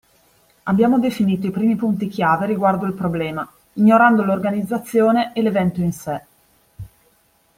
Abbiamo definito i primi punti chiave riguardo il problema ignorando l'organizzazione e l'evento in sé.